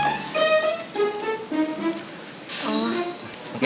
mau diapain dia